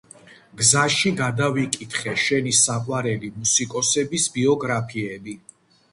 გზაში გადავიკითხე შენი საყვარელი მუსიკოსების ბიოგრაფიები.